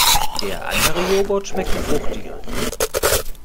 Der andere Joghurt schmeckte fruchtiger.